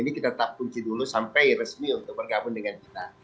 ini kita tetap kunci dulu sampai resmi untuk bergabung dengan kita